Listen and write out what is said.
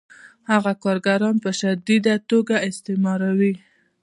هغه کارګران په شدیده توګه استثماروي